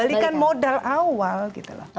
jadi kita harus mengembalikan modal awal